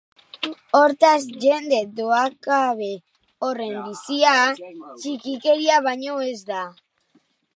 Hortaz, jende dohakabe horren bizia, txikikeria baino ez da.